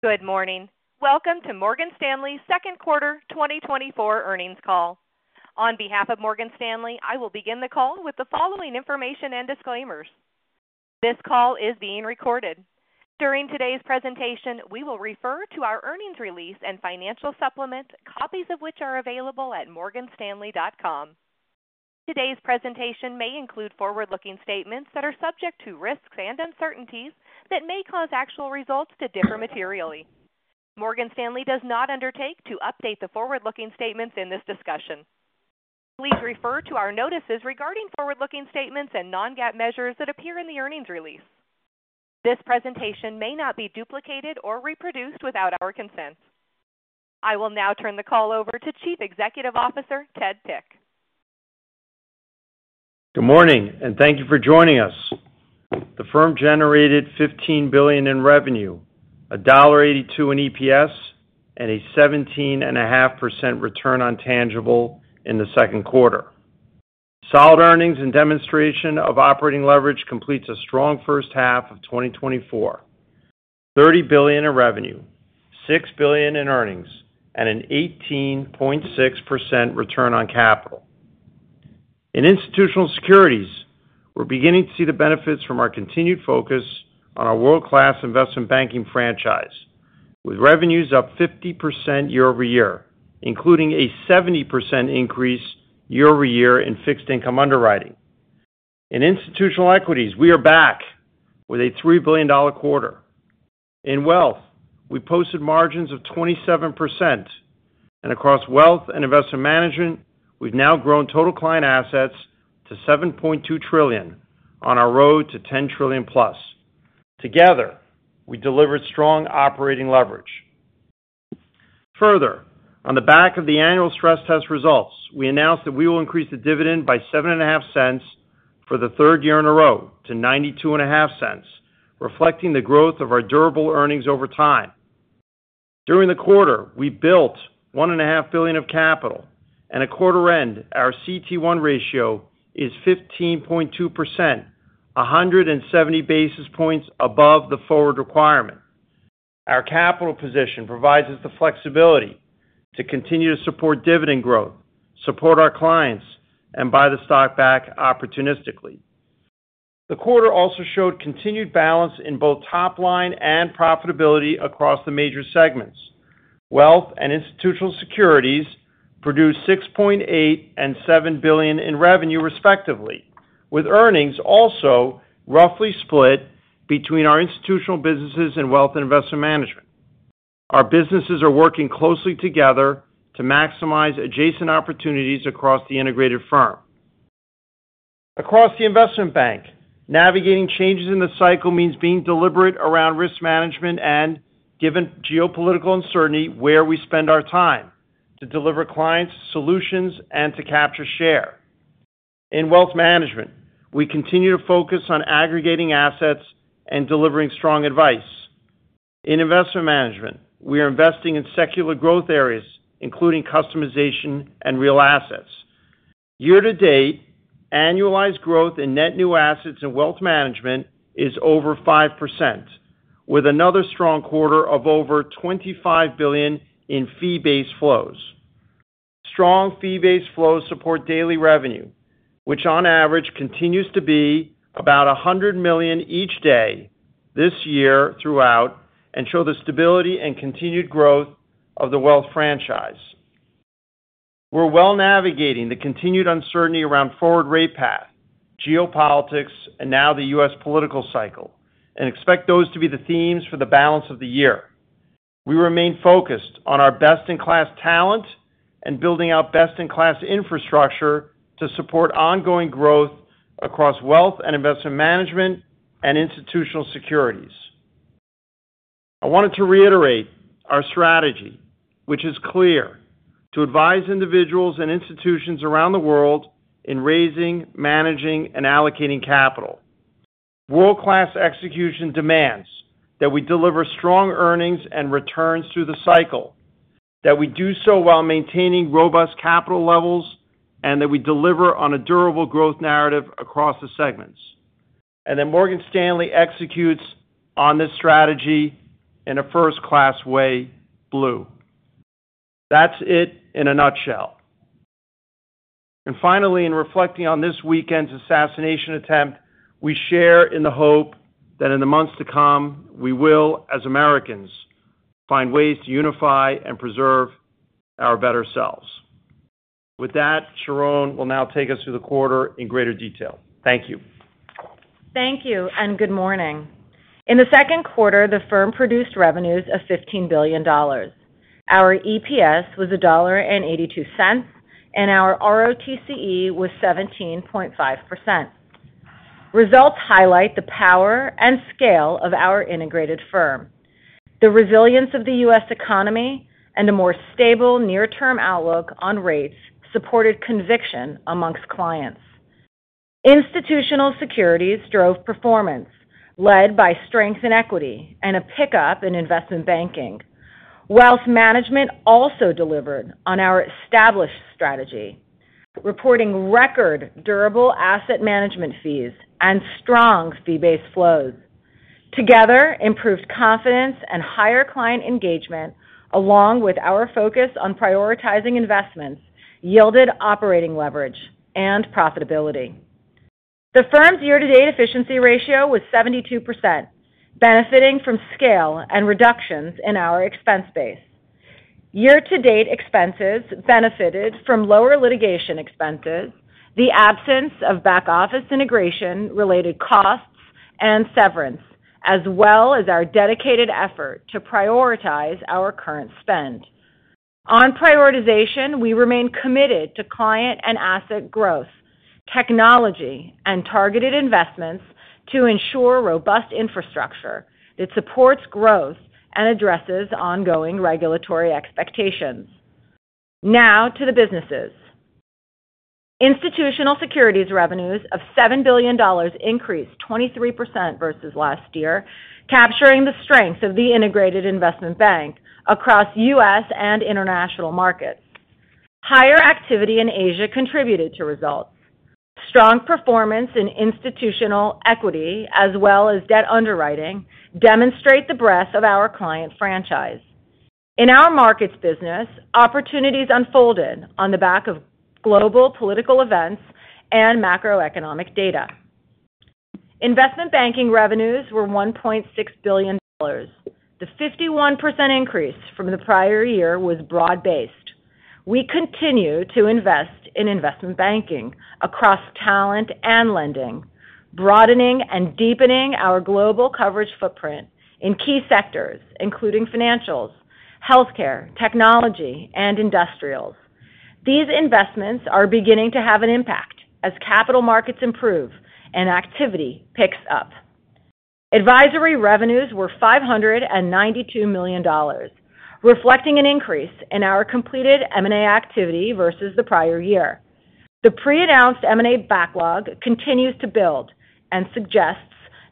Good morning. Welcome to Morgan Stanley's second quarter 2024 earnings call. On behalf of Morgan Stanley, I will begin the call with the following information and disclaimers. This call is being recorded. During today's presentation, we will refer to our earnings release and financial supplement, copies of which are available at morganstanley.com. Today's presentation may include forward-looking statements that are subject to risks and uncertainties that may cause actual results to differ materially. Morgan Stanley does not undertake to update the forward-looking statements in this discussion. Please refer to our notices regarding forward-looking statements and non-GAAP measures that appear in the earnings release. This presentation may not be duplicated or reproduced without our consent. I will now turn the call over to Chief Executive Officer, Ted Pick. Good morning, and thank you for joining us. The firm generated $15 billion in revenue, $1.82 in EPS, and a 17.5% return on tangible in the second quarter. Solid earnings and demonstration of operating leverage completes a strong first half of 2024. $30 billion in revenue, $6 billion in earnings, and an 18.6% return on capital. In institutional securities, we're beginning to see the benefits from our continued focus on our world-class investment banking franchise, with revenues up 50% year-over-year, including a 70% increase year-over-year in fixed income underwriting. In institutional equities, we are back with a $3 billion quarter. In wealth, we posted margins of 27%, and across Wealth and Investment Management, we've now grown total client assets to $7.2 trillion on our road to $10 trillion+. Together, we delivered strong operating leverage. Further, on the back of the annual stress test results, we announced that we will increase the dividend by $0.075 for the third year in a row to $0.925, reflecting the growth of our durable earnings over time. During the quarter, we built $1.5 billion of capital, and at quarter end, our CET1 ratio is 15.2%, 170 basis points above the forward requirement. Our capital position provides us the flexibility to continue to support dividend growth, support our clients, and buy the stock back opportunistically. The quarter also showed continued balance in both top line and profitability across the major segments. Wealth and institutional securities produced $6.8 billion and $7 billion in revenue, respectively, with earnings also roughly split between our institutional businesses and Wealth and Investment Management. Our businesses are working closely together to maximize adjacent opportunities across the integrated firm. Across the investment bank, navigating changes in the cycle means being deliberate around risk management and, given geopolitical uncertainty, where we spend our time to deliver clients solutions and to capture share. In wealth management, we continue to focus on aggregating assets and delivering strong advice. In investment management, we are investing in secular growth areas, including customization and real assets. year-to-date, annualized growth in net new assets and wealth management is over 5%, with another strong quarter of over $25 billion in fee-based flows. Strong fee-based flows support daily revenue, which on average continues to be about $100 million each day this year throughout and show the stability and continued growth of the wealth franchise. We're well navigating the continued uncertainty around forward rate path, geopolitics, and now the U.S. political cycle, and expect those to be the themes for the balance of the year. We remain focused on our best-in-class talent and building out best-in-class infrastructure to support ongoing growth across Wealth and Investment Management and institutional securities. I wanted to reiterate our strategy, which is clear: to advise individuals and institutions around the world in raising, managing, and allocating capital. World-class execution demands that we deliver strong earnings and returns through the cycle, that we do so while maintaining robust capital levels, and that we deliver on a durable growth narrative across the segments, and that Morgan Stanley executes on this strategy in a first-class way, too. That's it in a nutshell. Finally, in reflecting on this weekend's assassination attempt, we share in the hope that in the months to come, we will, as Americans, find ways to unify and preserve our better selves. With that, Sharon will now take us through the quarter in greater detail. Thank you. Thank you, and good morning. In the second quarter, the firm produced revenues of $15 billion. Our EPS was $1.82, and our ROTCE was 17.5%. Results highlight the power and scale of our integrated firm. The resilience of the U.S. economy and a more stable near-term outlook on rates supported conviction among clients. Institutional securities drove performance, led by strength in equity and a pickup in investment banking. Wealth Management also delivered on our established strategy, reporting record durable asset management fees and strong fee-based flows. Together, improved confidence and higher client engagement, along with our focus on prioritizing investments, yielded operating leverage and profitability. The firm's year-to-date efficiency ratio was 72%, benefiting from scale and reductions in our expense base. Year-to-date expenses benefited from lower litigation expenses, the absence of back-office integration related costs, and severance, as well as our dedicated effort to prioritize our current spend. On prioritization, we remain committed to client and asset growth, technology, and targeted investments to ensure robust infrastructure that supports growth and addresses ongoing regulatory expectations. Now to the businesses. Institutional Securities revenues of $7 billion increased 23% versus last year, capturing the strengths of the integrated investment bank across U.S. and international markets. Higher activity in Asia contributed to results. Strong performance in institutional equity, as well as debt underwriting, demonstrate the breadth of our client franchise. In our markets business, opportunities unfolded on the back of global political events and macroeconomic data. Investment banking revenues were $1.6 billion. The 51% increase from the prior year was broad-based. We continue to invest in investment banking across talent and lending, broadening and deepening our global coverage footprint in key sectors, including financials, healthcare, technology, and industrials. These investments are beginning to have an impact as capital markets improve and activity picks up. Advisory revenues were $592 million, reflecting an increase in our completed M&A activity versus the prior year. The pre-announced M&A backlog continues to build and suggests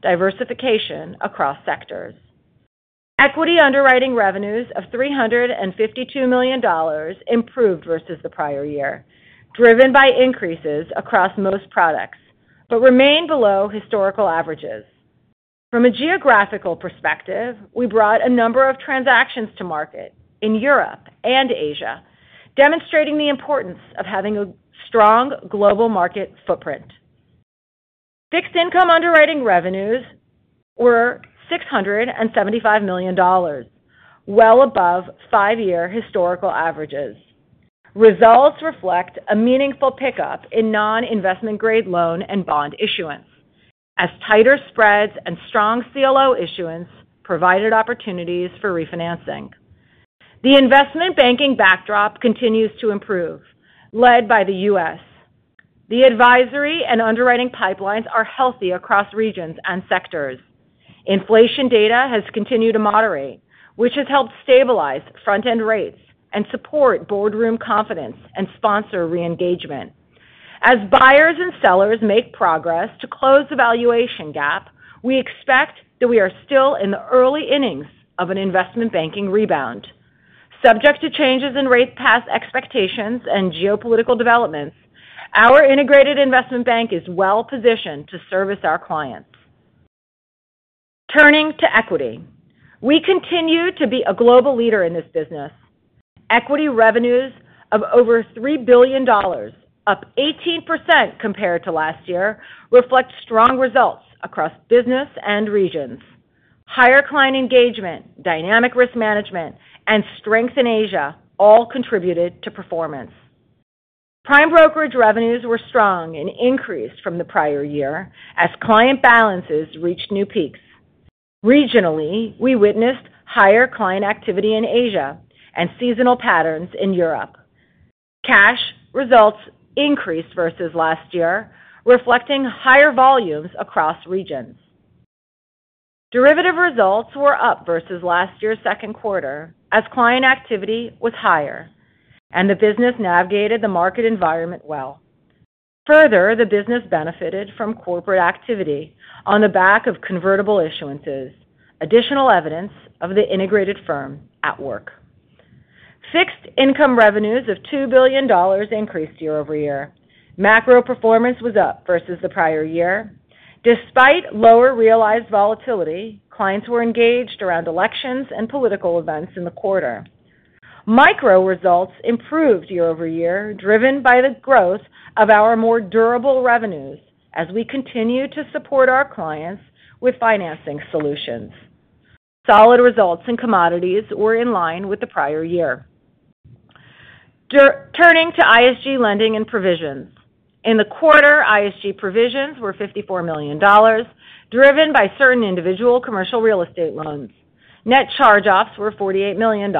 diversification across sectors. Equity underwriting revenues of $352 million improved versus the prior year, driven by increases across most products, but remained below historical averages. From a geographical perspective, we brought a number of transactions to market in Europe and Asia, demonstrating the importance of having a strong global market footprint. Fixed income underwriting revenues were $675 million, well above five-year historical averages. Results reflect a meaningful pickup in non-investment grade loan and bond issuance, as tighter spreads and strong CLO issuance provided opportunities for refinancing. The investment banking backdrop continues to improve, led by the U.S. The advisory and underwriting pipelines are healthy across regions and sectors. Inflation data has continued to moderate, which has helped stabilize front-end rates and support boardroom confidence and sponsor reengagement. As buyers and sellers make progress to close the valuation gap, we expect that we are still in the early innings of an investment banking rebound. Subject to changes in rate path expectations and geopolitical developments, our integrated investment bank is well positioned to service our clients. Turning to equity. We continue to be a global leader in this business. Equity revenues of over $3 billion, up 18% compared to last year, reflect strong results across business and regions. Higher client engagement, dynamic risk management, and strength in Asia all contributed to performance. Prime brokerage revenues were strong and increased from the prior year as client balances reached new peaks. Regionally, we witnessed higher client activity in Asia and seasonal patterns in Europe. Cash results increased versus last year, reflecting higher volumes across regions. Derivative results were up versus last year's second quarter, as client activity was higher, and the business navigated the market environment well. Further, the business benefited from corporate activity on the back of convertible issuances, additional evidence of the integrated firm at work. Fixed income revenues of $2 billion increased year-over-year. Macro performance was up versus the prior year. Despite lower realized volatility, clients were engaged around elections and political events in the quarter. Micro results improved year-over-year, driven by the growth of our more durable revenues as we continue to support our clients with financing solutions. Solid results in commodities were in line with the prior year. Turning to ISG lending and provisions. In the quarter, ISG provisions were $54 million, driven by certain individual commercial real estate loans. Net charge-offs were $48 million,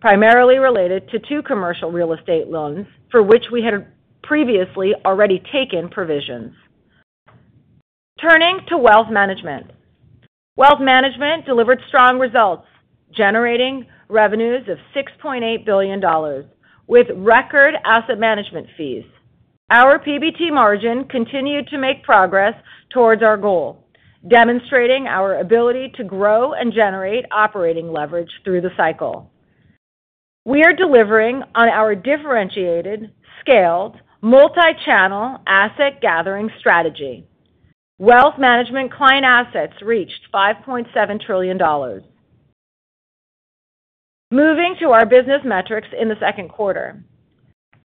primarily related to two commercial real estate loans, for which we had previously already taken provisions. Turning to Wealth Management. Wealth Management delivered strong results, generating revenues of $6.8 billion, with record asset management fees. Our PBT margin continued to make progress towards our goal, demonstrating our ability to grow and generate operating leverage through the cycle. We are delivering on our differentiated, scaled, multi-channel asset gathering strategy. Wealth Management client assets reached $5.7 trillion. Moving to our business metrics in the second quarter.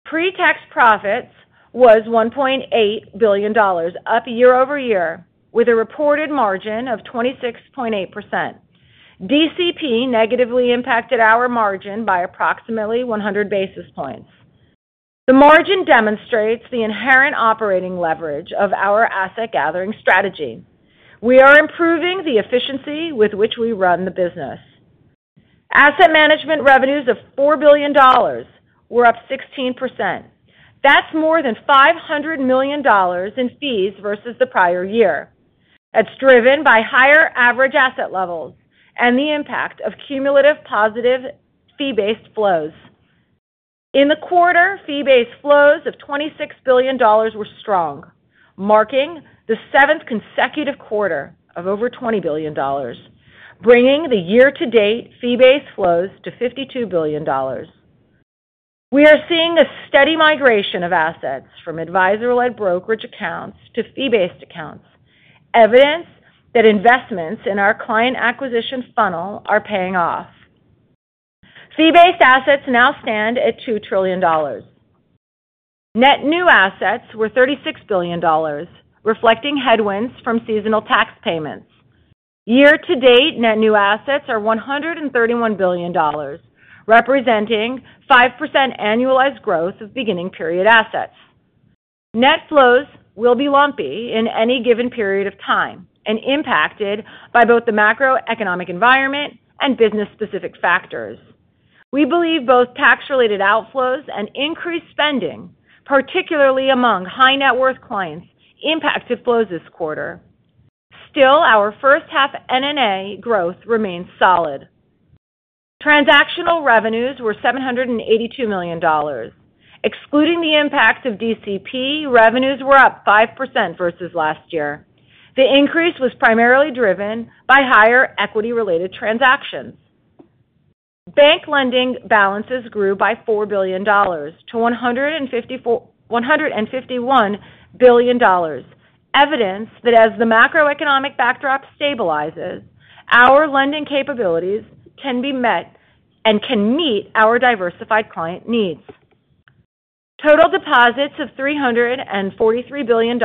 Pre-tax profits was $1.8 billion, up year-over-year, with a reported margin of 26.8%. DCP negatively impacted our margin by approximately 100 basis points. The margin demonstrates the inherent operating leverage of our asset gathering strategy. We are improving the efficiency with which we run the business. Asset management revenues of $4 billion were up 16%. That's more than $500 million in fees versus the prior year. That's driven by higher average asset levels and the impact of cumulative positive fee-based flows. In the quarter, fee-based flows of $26 billion were strong, marking the seventh consecutive quarter of over $20 billion, bringing the year-to-date fee-based flows to $52 billion. We are seeing a steady migration of assets from advisor-led brokerage accounts to fee-based accounts, evidence that investments in our client acquisition funnel are paying off. Fee-based assets now stand at $2 trillion. Net new assets were $36 billion, reflecting headwinds from seasonal tax payments. Year-to-date, net new assets are $131 billion, representing 5% annualized growth of beginning period assets. Net flows will be lumpy in any given period of time and impacted by both the macroeconomic environment and business-specific factors. We believe both tax-related outflows and increased spending, particularly among high net worth clients, impacted flows this quarter. Still, our first half NNA growth remains solid. Transactional revenues were $782 million. Excluding the impact of DCP, revenues were up 5% versus last year. The increase was primarily driven by higher equity-related transactions. Bank lending balances grew by $4 billion to $151 billion. Evidence that as the macroeconomic backdrop stabilizes, our lending capabilities can be met and can meet our diversified client needs. Total deposits of $343 billion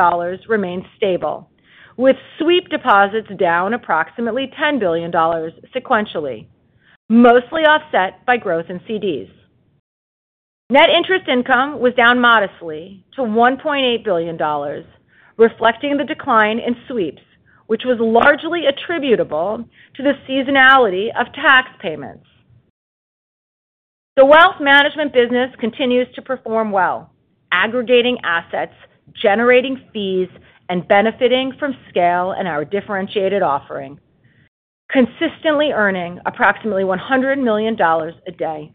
remain stable, with sweep deposits down approximately $10 billion sequentially, mostly offset by growth in CDs. Net interest income was down modestly to $1.8 billion, reflecting the decline in sweeps, which was largely attributable to the seasonality of tax payments. The wealth management business continues to perform well, aggregating assets, generating fees, and benefiting from scale and our differentiated offering, consistently earning approximately $100 million a day.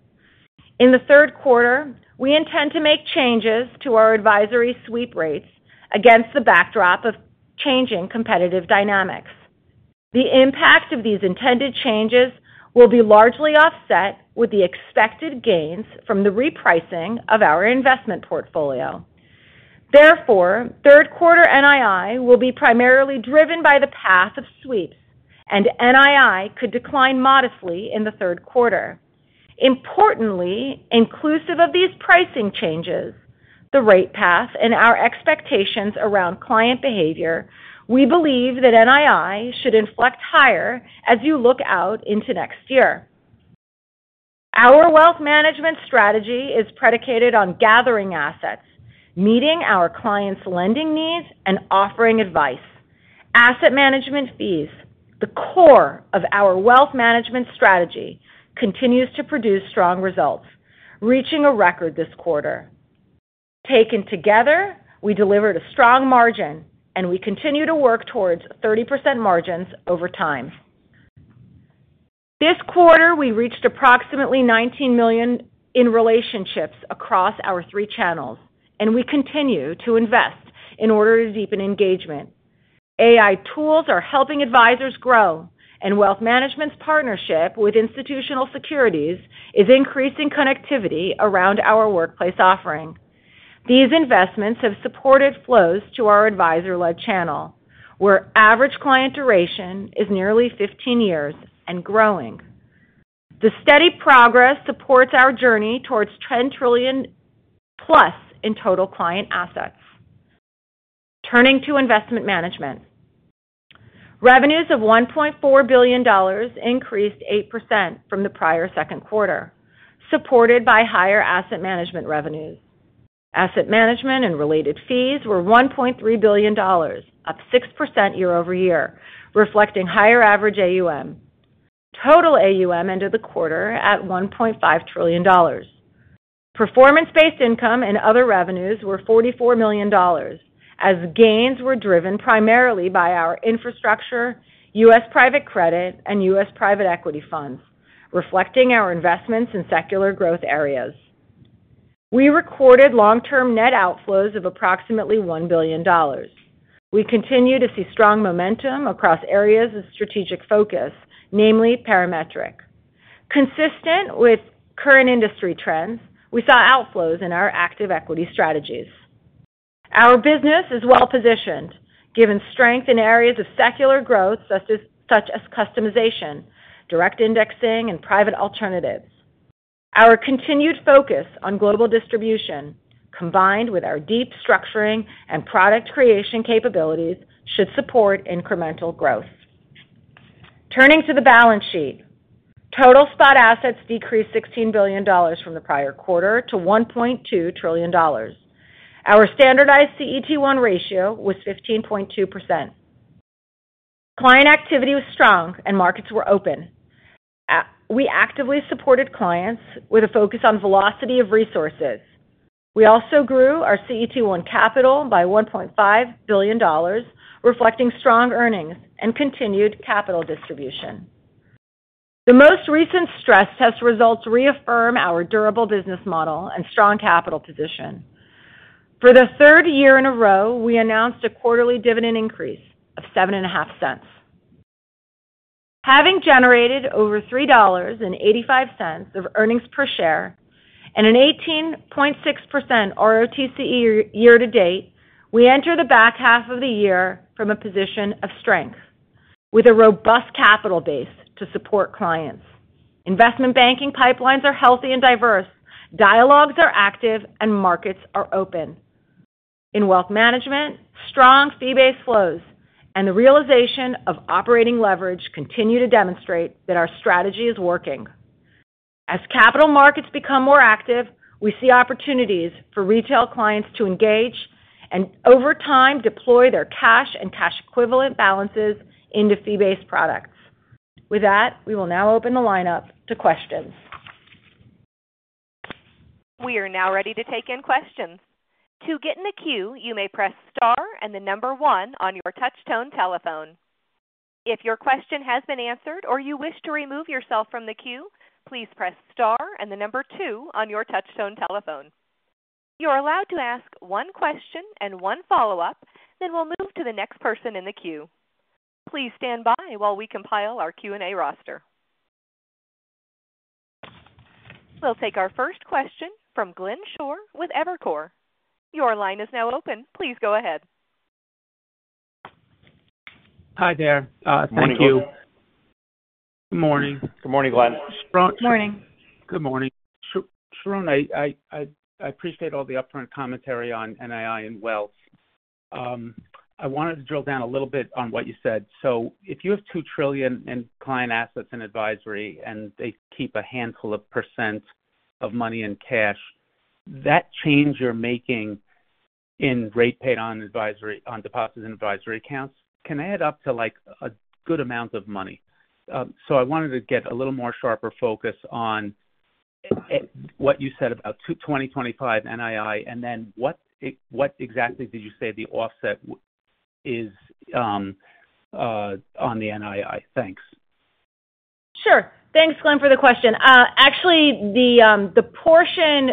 In the third quarter, we intend to make changes to our advisory sweep rates against the backdrop of changing competitive dynamics. The impact of these intended changes will be largely offset with the expected gains from the repricing of our investment portfolio. Therefore, third quarter NII will be primarily driven by the path of sweeps, and NII could decline modestly in the third quarter. Importantly, inclusive of these pricing changes, the rate path, and our expectations around client behavior, we believe that NII should inflect higher as you look out into next year. Our Wealth Management strategy is predicated on gathering assets, meeting our clients' lending needs, and offering advice. Asset Management Fees, the core of our Wealth Management Strategy, continues to produce strong results, reaching a record this quarter. Taken together, we delivered a strong margin, and we continue to work towards 30% margins over time. This quarter, we reached approximately 19 million in relationships across our three channels, and we continue to invest in order to deepen engagement. AI tools are helping advisors grow, and Wealth Management's partnership with Institutional Securities is increasing connectivity around our workplace offering. These investments have supported flows to our advisor-led channel, where average client duration is nearly 15 years and growing. The steady progress supports our journey towards $10 trillion+ in total client assets. Turning to investment management. Revenues of $1.4 billion increased 8% from the prior second quarter, supported by higher asset management revenues. Asset management and related fees were $1.3 billion, up 6% year-over-year, reflecting higher average AUM. Total AUM ended the quarter at $1.5 trillion. Performance-based income and other revenues were $44 million, as gains were driven primarily by our infrastructure, U.S. private credit, and U.S. private equity funds, reflecting our investments in secular growth areas. We recorded long-term net outflows of approximately $1 billion. We continue to see strong momentum across areas of strategic focus, namely Parametric. Consistent with current industry trends, we saw outflows in our active equity strategies. Our business is well-positioned, given strength in areas of secular growth, such as, such as customization, direct indexing, and private alternatives. Our continued focus on global distribution, combined with our deep structuring and product creation capabilities, should support incremental growth. Turning to the balance sheet. Total spot assets decreased $16 billion from the prior quarter to $1.2 trillion. Our standardized CET1 ratio was 15.2%. Client activity was strong and markets were open. We actively supported clients with a focus on velocity of resources. We also grew our CET1 capital by $1.5 billion, reflecting strong earnings and continued capital distribution. The most recent stress test results reaffirm our durable business model and strong capital position. For the third year in a row, we announced a quarterly dividend increase of $0.075. Having generated over $3.85 of earnings per share and an 18.6% ROTCE year-to-date, we enter the back half of the year from a position of strength, with a robust capital base to support clients. Investment banking pipelines are healthy and diverse, dialogues are active, and markets are open. In wealth management, strong fee-based flows and the realization of operating leverage continue to demonstrate that our strategy is working. As capital markets become more active, we see opportunities for retail clients to engage and over time, deploy their cash and cash equivalent balances into fee-based products. With that, we will now open the lineup to questions. We are now ready to take in questions. To get in the queue, you may press star and the number one on your touchtone telephone. If your question has been answered or you wish to remove yourself from the queue, please press star and the number two on your touchtone telephone. You're allowed to ask one question and one follow-up, then we'll move to the next person in the queue. Please stand by while we compile our Q&A roster. We'll take our first question from Glenn Schorr with Evercore. Your line is now open. Please go ahead. Hi there. Thank you. Good morning. Good morning. Good morning, Glenn. Good morning. Good morning. Sharon, I appreciate all the upfront commentary on NII and Wealth. I wanted to drill down a little bit on what you said. So if you have $2 trillion in client assets and advisory, and they keep a handful of percent of money in cash, that change you're making in rate paid on advisory, on deposits and advisory accounts can add up to, like, a good amount of money. So I wanted to get a little more sharper focus on what you said about 2025 NII, and then what exactly did you say the offset is on the NII? Thanks. Sure. Thanks, Glenn, for the question. Actually, the portion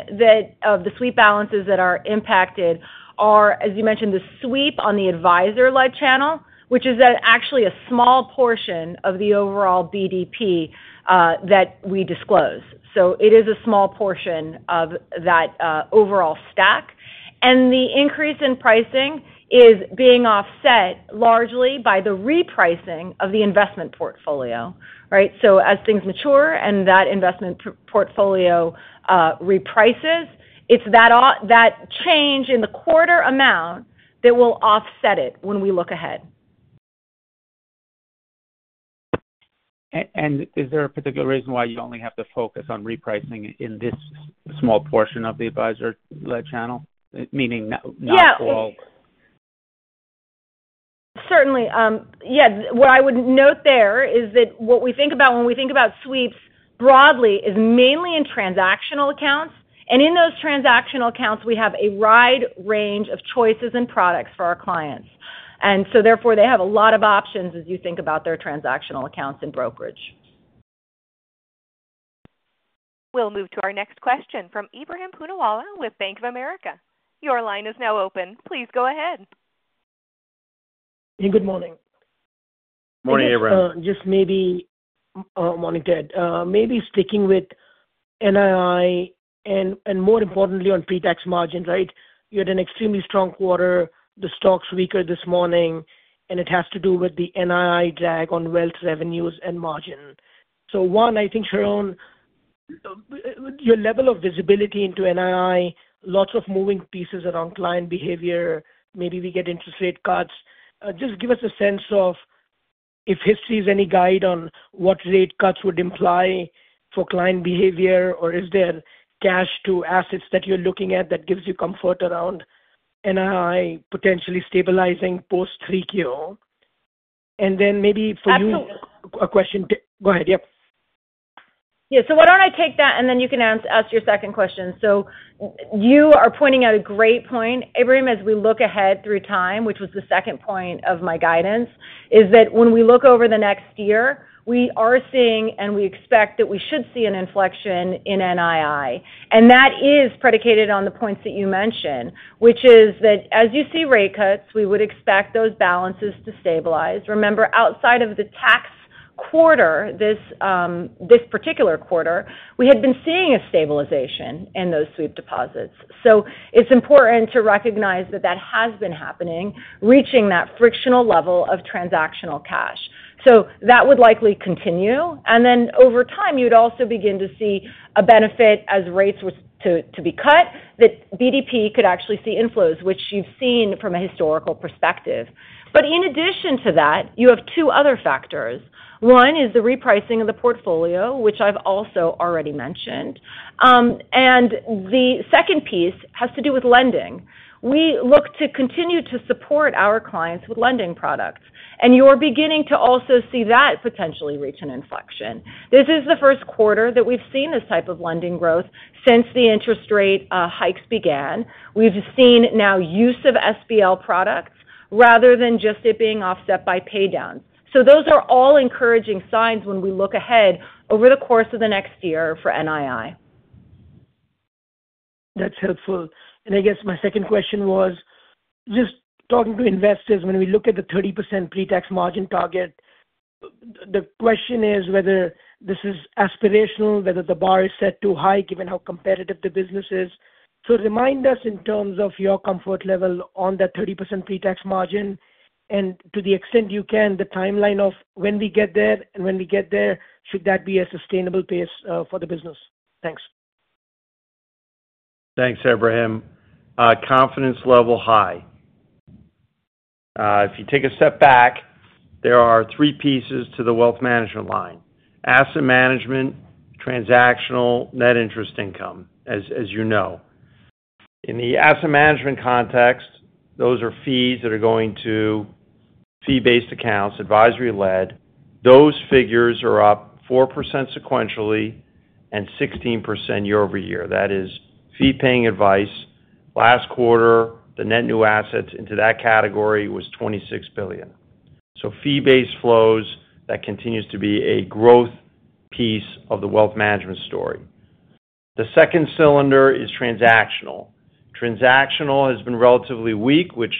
of the sweep balances that are impacted are, as you mentioned, the sweep on the advisor-led channel, which is actually a small portion of the overall BDP that we disclose. So it is a small portion of that overall stack. And the increase in pricing is being offset largely by the repricing of the investment portfolio, right? So as things mature and that investment portfolio reprices, it's that change in the quarter amount that will offset it when we look ahead. Is there a particular reason why you only have to focus on repricing in this small portion of the advisor-led channel? Meaning not all- Yeah. Certainly, yeah. What I would note there is that what we think about when we think about sweeps broadly is mainly in transactional accounts, and in those transactional accounts, we have a wide range of choices and products for our clients. And so therefore, they have a lot of options as you think about their transactional accounts and brokerage. We'll move to our next question from Ebrahim Poonawala with Bank of America. Your line is now open. Please go ahead. Good morning. Morning, Abraham. Just maybe morning, Ted. Maybe sticking with NII and, and more importantly, on pre-tax margins, right? You had an extremely strong quarter, the stock's weaker this morning, and it has to do with the NII drag on wealth revenues and margin. So one, I think, Sharon, your level of visibility into NII, lots of moving pieces around client behavior, maybe we get interest rate cuts. Just give us a sense of if history is any guide on what rate cuts would imply for client behavior, or is there cash to assets that you're looking at that gives you comfort around NII potentially stabilizing post 3Q? And then maybe for you- Absolutely. ...a question. Go ahead. Yep. Yeah, so why don't I take that, and then you can ask your second question. So you are pointing out a great point, Abraham, as we look ahead through time, which was the second point of my guidance... is that when we look over the next year, we are seeing, and we expect that we should see an inflection in NII. And that is predicated on the points that you mentioned, which is that as you see rate cuts, we would expect those balances to stabilize. Remember, outside of the tax quarter, this, this particular quarter, we had been seeing a stabilization in those sweep deposits. So it's important to recognize that that has been happening, reaching that frictional level of transactional cash. So that would likely continue. And then, over time, you'd also begin to see a benefit as rates was to, to be cut, that BDP could actually see inflows, which you've seen from a historical perspective. But in addition to that, you have two other factors. One is the repricing of the portfolio, which I've also already mentioned. And the second piece has to do with lending. We look to continue to support our clients with lending products, and you're beginning to also see that potentially reach an inflection. This is the first quarter that we've seen this type of lending growth since the interest rate hikes began. We've seen now use of SBL products rather than just it being offset by pay down. So those are all encouraging signs when we look ahead over the course of the next year for NII. That's helpful. I guess my second question was, just talking to investors, when we look at the 30% pre-tax margin target, the question is whether this is aspirational, whether the bar is set too high, given how competitive the business is. So remind us in terms of your comfort level on that 30% pre-tax margin, and to the extent you can, the timeline of when we get there, and when we get there, should that be a sustainable pace for the business? Thanks. Thanks, Abraham. Confidence level, high. If you take a step back, there are three pieces to the wealth management line: asset management, transactional, net interest income, as you know. In the asset management context, those are fees that are going to fee-based accounts, advisory-led. Those figures are up 4% sequentially and 16% year-over-year. That is fee-paying advice. Last quarter, the net new assets into that category was $26 billion. So fee-based flows, that continues to be a growth piece of the wealth management story. The second cylinder is transactional. Transactional has been relatively weak, which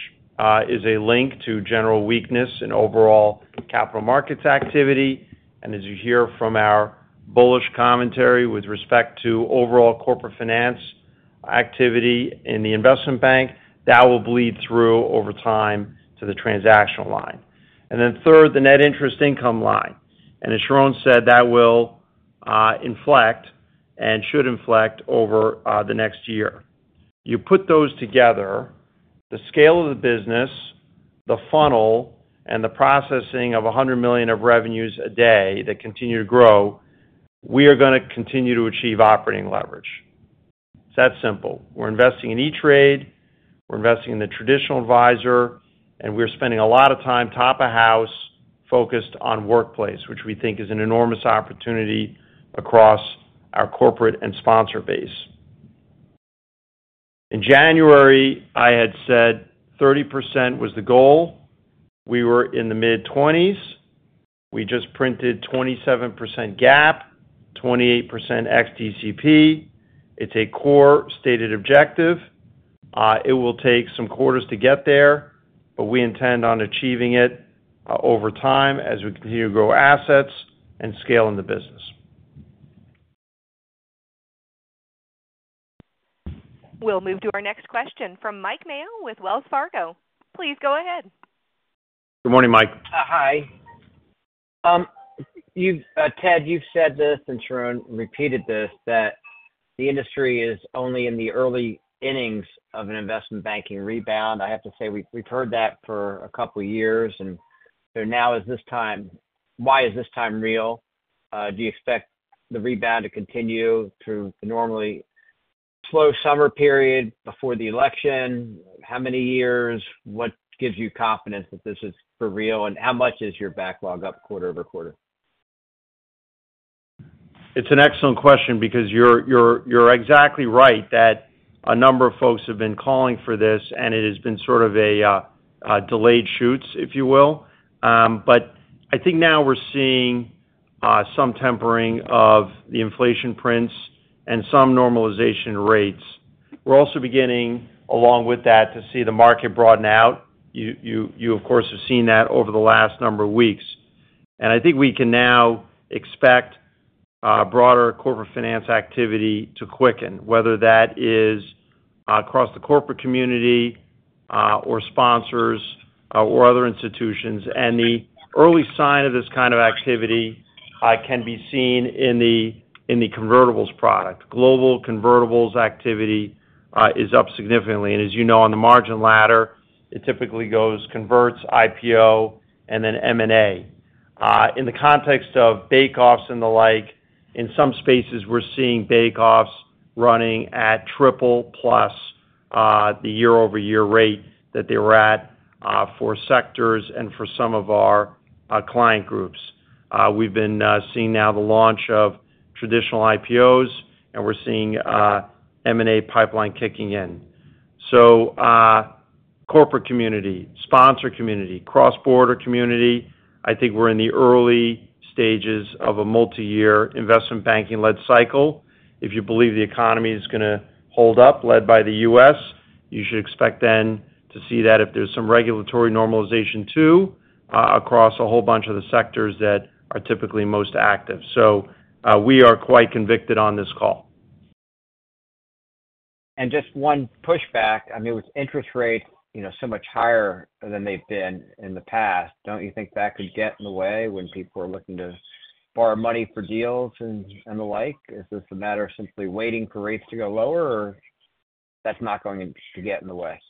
is a link to general weakness in overall capital markets activity. And as you hear from our bullish commentary with respect to overall corporate finance activity in the investment bank, that will bleed through over time to the transactional line. Then third, the net interest income line. And as Sharon said, that will inflect and should inflect over the next year. You put those together, the scale of the business, the funnel, and the processing of $100 million of revenues a day that continue to grow, we are gonna continue to achieve operating leverage. It's that simple. We're investing in E*TRADE, we're investing in the traditional advisor, and we're spending a lot of time, top of house, focused on workplace, which we think is an enormous opportunity across our corporate and sponsor base. In January, I had said 30% was the goal. We were in the mid-20s. We just printed 27% GAAP, 28% ex-DCP. It's a core stated objective. It will take some quarters to get there, but we intend on achieving it, over time as we continue to grow assets and scaling the business. We'll move to our next question from Mike Mayo with Wells Fargo. Please go ahead. Good morning, Mike. Hi. You've, Ted, you've said this, and Sharon repeated this, that the industry is only in the early innings of an investment banking rebound. I have to say, we've, we've heard that for a couple of years, and so now is this time. Why is this time real? Do you expect the rebound to continue through the normally slow summer period before the election? How many years? What gives you confidence that this is for real, and how much is your backlog up quarter-over-quarter? It's an excellent question because you're exactly right that a number of folks have been calling for this, and it has been sort of a delayed shoots, if you will. But I think now we're seeing some tempering of the inflation prints and some normalization rates. We're also beginning, along with that, to see the market broaden out. You, of course, have seen that over the last number of weeks. And I think we can now expect broader corporate finance activity to quicken, whether that is across the corporate community, or sponsors, or other institutions. And the early sign of this kind of activity can be seen in the convertibles product. Global convertibles activity is up significantly. And as you know, on the M&A ladder, it typically goes converts, IPO, and then M&A. In the context of bakeoffs and the like, in some spaces, we're seeing bakeoffs running at triple plus, the year-over-year rate that they were at, for sectors and for some of our client groups. We've been seeing now the launch of traditional IPOs, and we're seeing M&A pipeline kicking in. So, corporate community, sponsor community, cross-border community, I think we're in the early stages of a multi-year investment banking-led cycle. If you believe the economy is gonna hold up, led by the U.S., you should expect then to see that if there's some regulatory normalization, too, across a whole bunch of the sectors that are typically most active. So, we are quite convicted on this call. Just one pushback. I mean, with interest rates, you know, so much higher than they've been in the past, don't you think that could get in the way when people are looking to borrow money for deals and, and the like? Is this a matter of simply waiting for rates to go lower, or that's not going to get in the way?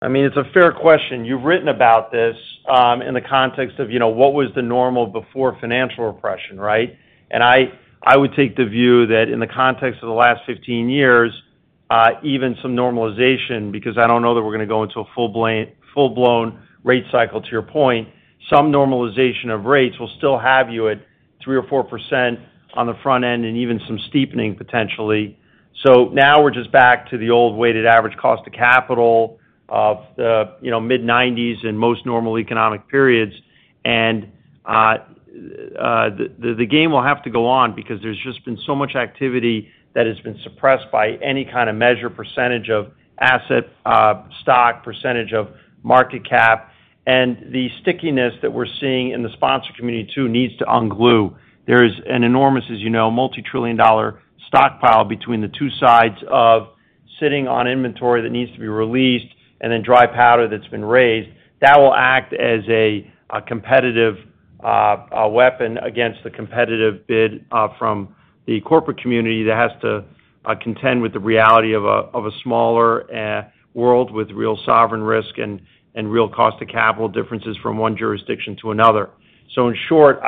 I mean, it's a fair question. You've written about this in the context of, you know, what was the normal before financial repression, right? And I would take the view that in the context of the last 15 years, even some normalization, because I don't know that we're gonna go into a full-blown rate cycle, to your point. Some normalization of rates will still have you at 3% or 4% on the front end, and even some steepening, potentially. So now we're just back to the old weighted average cost of capital of the, you know, mid-1990s in most normal economic periods. And the game will have to go on because there's just been so much activity that has been suppressed by any kind of measure, percentage of asset stock, percentage of market cap. The stickiness that we're seeing in the sponsor community, too, needs to unglue. There is an enormous, as you know, multi-trillion-dollar stockpile between the two sides of sitting on inventory that needs to be released and then dry powder that's been raised. That will act as a, a competitive, a weapon against the competitive bid, from the corporate community that has to, contend with the reality of a, of a smaller, world with real sovereign risk and, real cost of capital differences from one jurisdiction to another. So in short,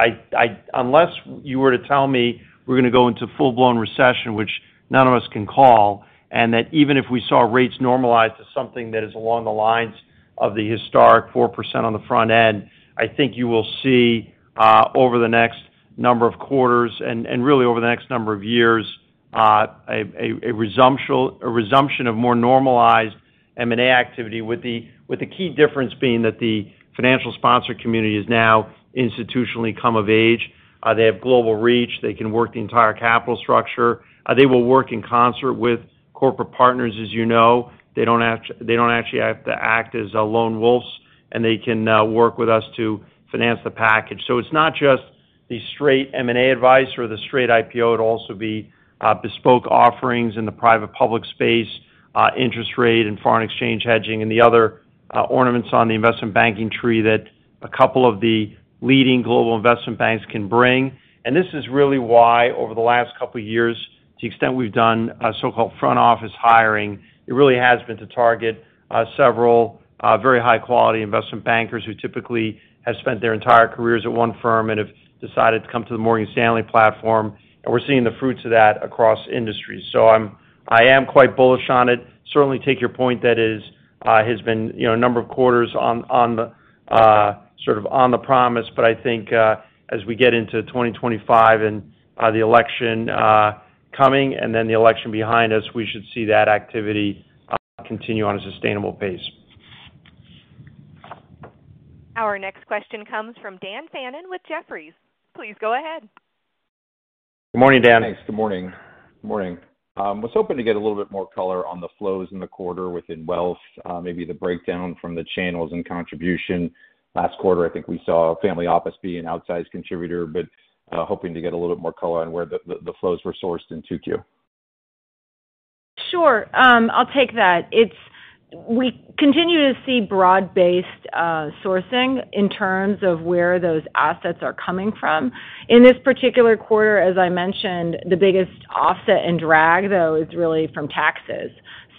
unless you were to tell me we're gonna go into full-blown recession, which none of us can call, and that even if we saw rates normalize to something that is along the lines of the historic 4% on the front end, I think you will see, over the next number of quarters and really over the next number of years, a resumption of more normalized M&A activity, with the key difference being that the financial sponsor community has now institutionally come of age. They have global reach. They can work the entire capital structure. They will work in concert with corporate partners, as you know. They don't actually have to act as lone wolves, and they can work with us to finance the package. So it's not just the straight M&A advice or the straight IPO. It'll also be bespoke offerings in the private-public space, interest rate and foreign exchange hedging, and the other ornaments on the investment banking tree that a couple of the leading global investment banks can bring. And this is really why, over the last couple of years, to the extent we've done so-called front office hiring, it really has been to target several very high-quality investment bankers who typically have spent their entire careers at one firm and have decided to come to the Morgan Stanley platform. And we're seeing the fruits of that across industries. So I'm—I am quite bullish on it. Certainly take your point that is has been, you know, a number of quarters on, on the sort of on the promise. But I think, as we get into 2025 and the election coming and then the election behind us, we should see that activity continue on a sustainable pace. Our next question comes from Dan Fannon with Jefferies. Please go ahead. Good morning, Dan. Thanks. Good morning. Good morning. Was hoping to get a little bit more color on the flows in the quarter within wealth, maybe the breakdown from the channels and contribution. Last quarter, I think we saw family office be an outsized contributor, but, hoping to get a little bit more color on where the flows were sourced in 2Q. Sure, I'll take that. We continue to see broad-based sourcing in terms of where those assets are coming from. In this particular quarter, as I mentioned, the biggest offset in drag, though, is really from taxes.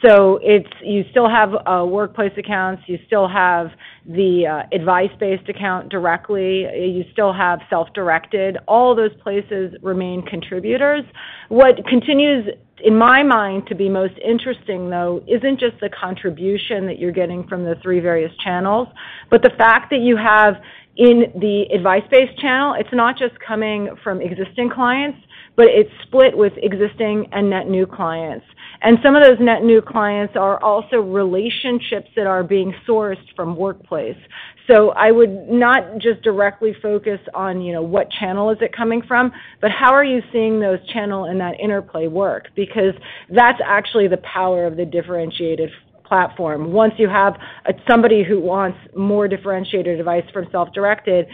So it's, you still have workplace accounts, you still have the advice-based account directly, you still have self-directed. All those places remain contributors. What continues, in my mind, to be most interesting, though, isn't just the contribution that you're getting from the three various channels, but the fact that you have in the advice-based channel, it's not just coming from existing clients, but it's split with existing and net new clients. And some of those net new clients are also relationships that are being sourced from workplace. So I would not just directly focus on, you know, what channel is it coming from, but how are you seeing those channel and that interplay work? Because that's actually the power of the differentiated platform. Once you have somebody who wants more differentiated advice from self-directed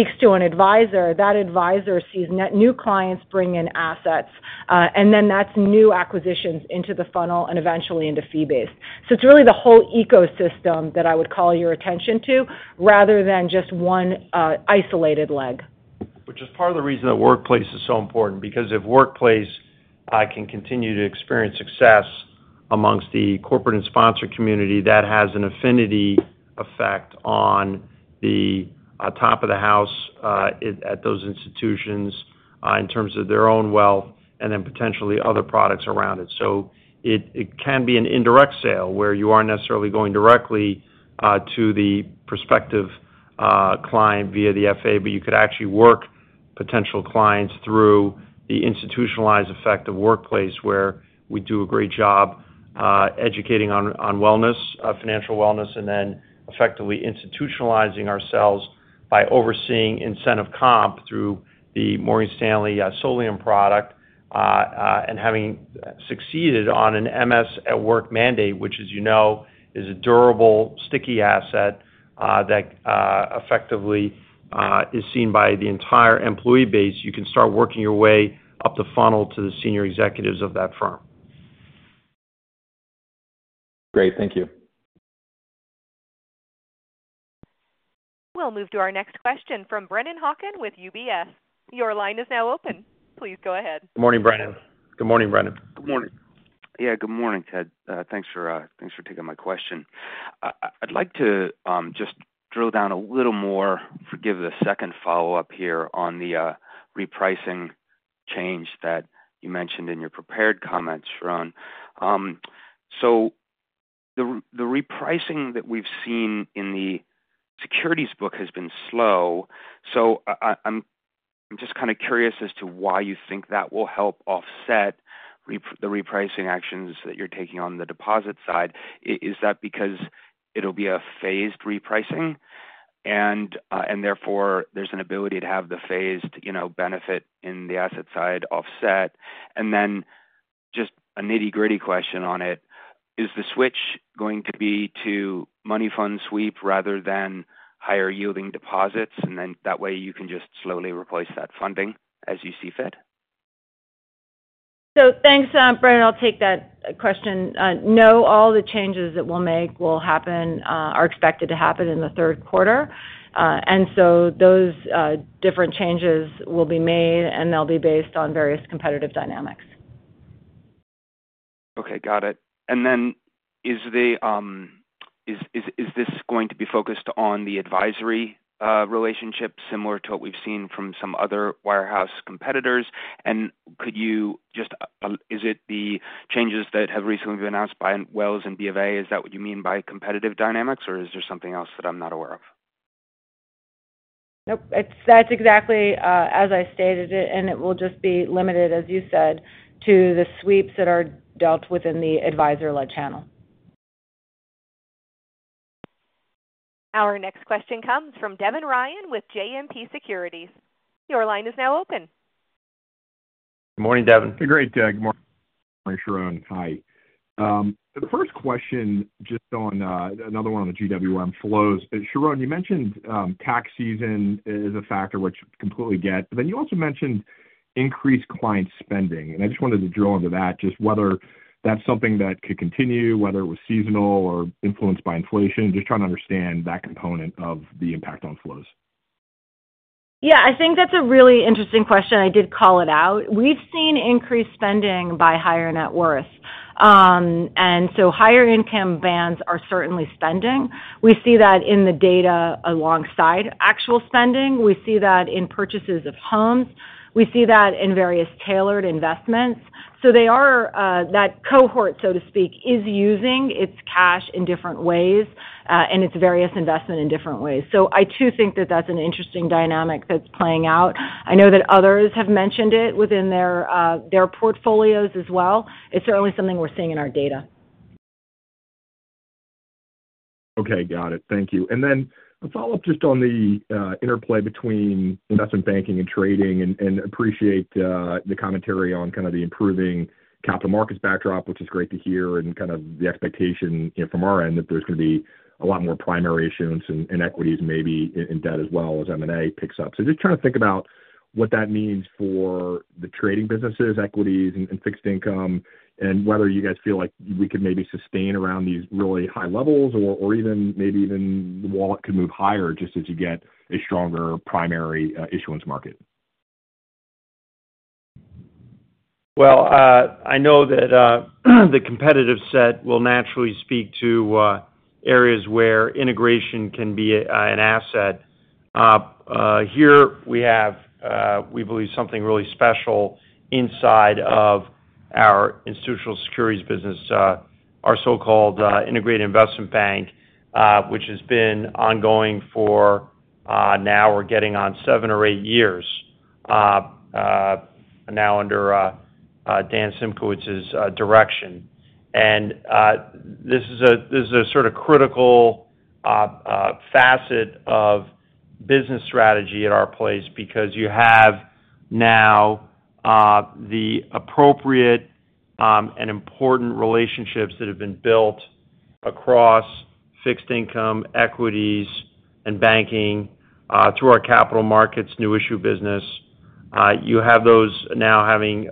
speaks to an advisor, that advisor sees net new clients bring in assets, and then that's new acquisitions into the funnel and eventually into fee-based. So it's really the whole ecosystem that I would call your attention to, rather than just one, isolated leg. Which is part of the reason that workplace is so important, because if workplace can continue to experience success amongst the corporate and sponsor community, that has an affinity effect on the top of the house at those institutions in terms of their own wealth and then potentially other products around it. So it can be an indirect sale, where you aren't necessarily going directly to the prospective client via the FA, but you could actually work potential clients through the institutionalized effect of workplace, where we do a great job educating on wellness, financial wellness, and then effectively institutionalizing ourselves by overseeing incentive comp through the Morgan Stanley Solium product. Having succeeded on an MS at Work mandate, which, as you know, is a durable, sticky asset that effectively is seen by the entire employee base. You can start working your way up the funnel to the senior executives of that firm. Great. Thank you. We'll move to our next question from Brennan Hawken with UBS. Your line is now open. Please go ahead. Good morning, Brennan. Good morning, Brennan. Good morning. Yeah, good morning, Ted. Thanks for taking my question. I'd like to just drill down a little more, forgive the second follow-up here on the repricing change that you mentioned in your prepared comments, Sharon. So the repricing that we've seen in the securities book has been slow, so I'm just kind of curious as to why you think that will help offset the repricing actions that you're taking on the deposit side. Is that because it'll be a phased repricing, and therefore, there's an ability to have the phased, you know, benefit in the asset side offset? Then just a nitty-gritty question on it, is the switch going to be to money fund sweep rather than higher-yielding deposits, and then that way you can just slowly replace that funding as you see fit? So thanks, Brennan. I'll take that question. No, all the changes that we'll make will happen, are expected to happen in the third quarter. And so those different changes will be made, and they'll be based on various competitive dynamics. Okay, got it. And then, is this going to be focused on the advisory relationship, similar to what we've seen from some other wirehouse competitors? And could you just... Is it the changes that have recently been announced by Wells and BofA? Is that what you mean by competitive dynamics, or is there something else that I'm not aware of? Nope, it's—that's exactly as I stated it, and it will just be limited, as you said, to the sweeps that are dealt within the advisor-led channel. Our next question comes from Devin Ryan with JMP Securities. Your line is now open. Good morning, Devin. Great, Ted. Good morning, Sharon. Hi. The first question, just on another one on the GWM flows. Sharon, you mentioned tax season is a factor, which I completely get, but then you also mentioned increased client spending, and I just wanted to drill into that, just whether that's something that could continue, whether it was seasonal or influenced by inflation. Just trying to understand that component of the impact on flows. Yeah, I think that's a really interesting question. I did call it out. We've seen increased spending by higher net worth. And so higher income bands are certainly spending. We see that in the data alongside actual spending. We see that in purchases of homes. We see that in various tailored investments. So they are, that cohort, so to speak, is using its cash in different ways, and its various investment in different ways. So I, too, think that that's an interesting dynamic that's playing out. I know that others have mentioned it within their, their portfolios as well. It's certainly something we're seeing in our data. Okay, got it. Thank you. And then a follow-up just on the interplay between investment banking and trading, and appreciate the commentary on kind of the improving capital markets backdrop, which is great to hear, and kind of the expectation, you know, from our end, that there's going to be a lot more primary issuance and equities, maybe in debt as well, as M&A picks up. So just trying to think about what that means for the trading businesses, equities and fixed income, and whether you guys feel like we could maybe sustain around these really high levels or even maybe the wallet could move higher just as you get a stronger primary issuance market. Well, I know that the competitive set will naturally speak to areas where integration can be an asset. Here we have, we believe something really special inside of our institutional securities business, our so-called integrated investment bank, which has been ongoing for, now we're getting on seven or eight years, now under Dan Simkowitz's direction. And this is a, this is a sort of critical facet of business strategy at our place because you have now the appropriate and important relationships that have been built across fixed income, equities, and banking through our capital markets, new issue business. You have those now having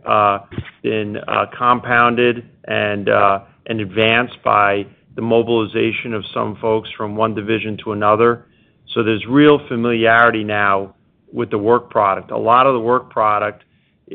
been compounded and advanced by the mobilization of some folks from one division to another. So there's real familiarity now with the work product. A lot of the work product,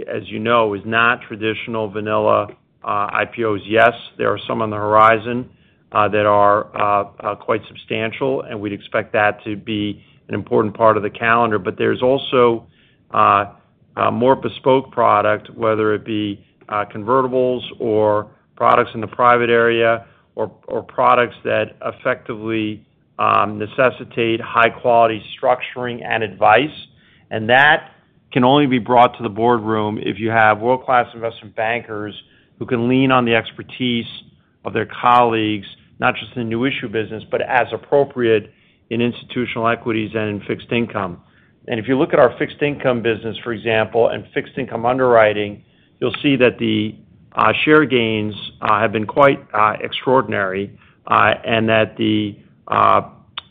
as you know, is not traditional vanilla IPOs. Yes, there are some on the horizon that are quite substantial, and we'd expect that to be an important part of the calendar. But there's also more bespoke product, whether it be convertibles or products in the private area, or products that effectively necessitate high-quality structuring and advice. And that can only be brought to the boardroom if you have world-class investment bankers who can lean on the expertise of their colleagues, not just in the new issue business, but as appropriate in institutional equities and in fixed income. If you look at our fixed income business, for example, and fixed income underwriting, you'll see that the share gains have been quite extraordinary, and that the